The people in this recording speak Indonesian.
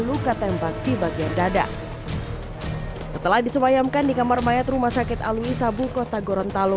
luka tembak di bagian dada setelah disemayamkan di kamar mayat rumah sakit alwi sabu kota gorontalo